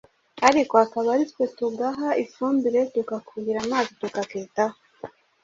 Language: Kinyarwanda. ariko akaba ari twe tugaha ifumbire tukakuhira amazi tukakitaho